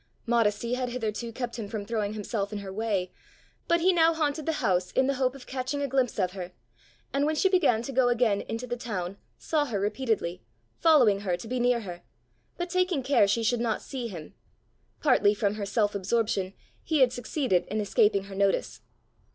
Modesty had hitherto kept him from throwing himself in her way, but he now haunted the house in the hope of catching a glimpse of her, and when she began to go again into the town, saw her repeatedly, following her to be near her, but taking care she should not see him: partly from her self absorption he had succeeded in escaping her notice.